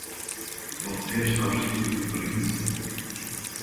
Você está vestido de príncipe?